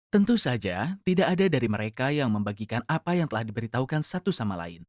tentu saja tidak ada dari mereka yang membagikan apa yang telah diberitahukan satu sama lain